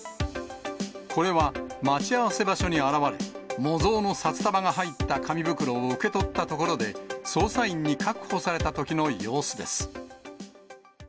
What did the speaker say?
これは、待ち合わせ場所に現れ、模造の札束が入った紙袋を受け取ったところで、捜査員に確保されたときの様子です。